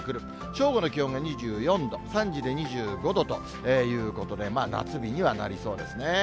正午の気温が２４度、３時で２５度ということで、夏日にはなりそうですね。